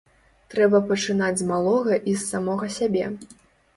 Трэба пачынаць з малога і з самога сябе.